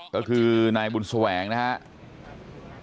ก็คือนายบุญแสวงนะครับ